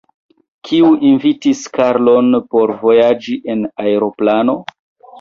Kiu invitis Karlon por vojaĝi en aeroplano?